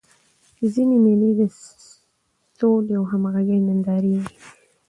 ځيني مېلې د سولي او همږغۍ نندارې يي.